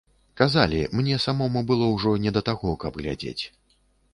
Казалі, мне самому было ўжо не да таго, каб глядзець.